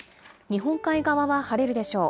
日本海側は晴れるでしょう。